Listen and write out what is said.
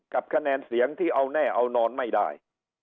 คะแนนเสียงที่เอาแน่เอานอนไม่ได้